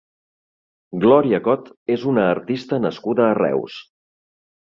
Glòria Cot és una artista nascuda a Reus.